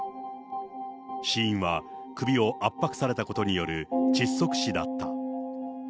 死因は首を圧迫されたことによる窒息死だった。